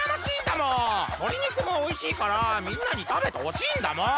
とりにくもおいしいからみんなにたべてほしいんだもん！